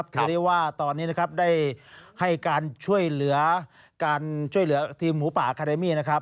เธอได้ว่าตอนนี้ได้ให้การการช่วยเหลือทีมหูป่าอาคาริอิมี